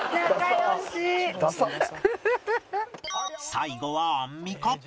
最後はアンミカ